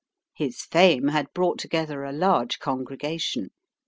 His fame had brought together a large congregation.